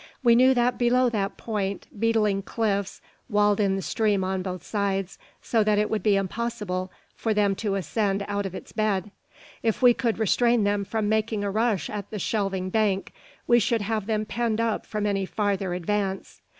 We knew that below that point beetling cliffs walled in the stream on both sides, so that it would be impossible for them to ascend out of its bed. If we could restrain them from making a rush at the shelving bank, we would have them penned up from any farther advance.